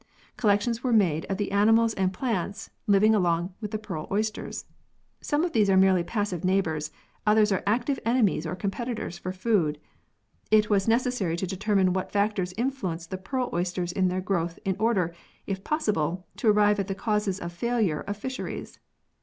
Collections were made of the animals and plants living along with the pearl oysters. Some of these are merely passive neighbours, others are active enemies or competitors for food. It was necessary to determine what factors influenced the pearl oysters in their growth in order, if possible, to arrive at the causes of failure of fisheries.